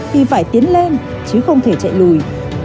thì phải tiến lên chứ không thể chạy lùi